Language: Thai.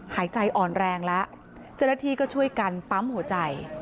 หายใจอ่อนแรงแล้วเจ้าหน้าที่ก็ช่วยกันปั๊มหัวใจ